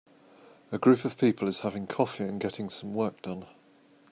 A group of people is having coffee and getting some work done.